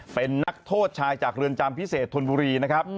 เป็นนักโทษชายจากเรือนจำพิเศษธนบุรีนะครับ